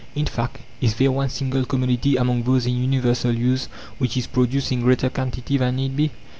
In fact, Is there one single commodity among those in universal use which is produced in greater quantity than need be.